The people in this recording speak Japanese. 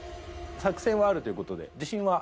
作戦はあるという事で。